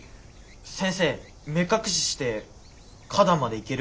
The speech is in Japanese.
先生目隠しして花壇まで行ける？